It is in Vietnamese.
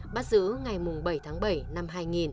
bắt giữ ngày bảy tháng bảy năm hai nghìn